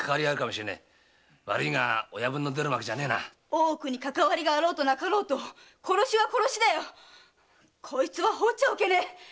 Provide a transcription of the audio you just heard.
大奥にかかわりがあろうとなかろうと殺しは殺しだよ！こいつは放っちゃおけねえ！